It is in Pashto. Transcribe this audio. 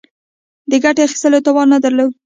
د ګټې اخیستلو توان نه درلود.